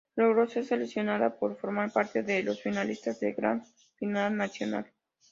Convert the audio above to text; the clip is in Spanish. Logró ser seleccionada para formar parte de los finalistas de la gran final nacional.